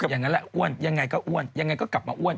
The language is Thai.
อย่างนั้นแหละอ้วนยังไงก็อ้วนยังไงก็กลับมาอ้วน